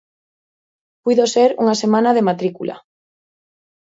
Puido ser unha semana de matrícula.